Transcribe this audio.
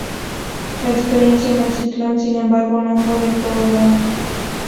La experiencia en el "Ciclón", sin embargo, no fue del todo buena.